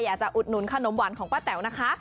อุดหนุนขนมหวานของป้าแต๋วนะคะ